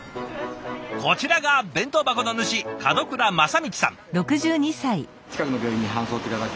こちらが弁当箱の主門倉正道さん。